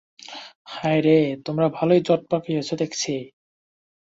হায়রে, তোমরা ভালোই জট পাকিয়েছ দেখছি।